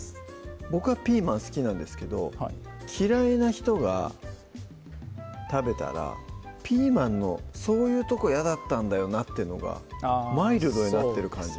僕はピーマン好きなんですけど嫌いな人が食べたらピーマンのそういうとこやだったんだよなってのがマイルドになってる感じ